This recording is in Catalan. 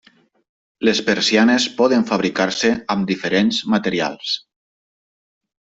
Les persianes poden fabricar-se amb diferents materials.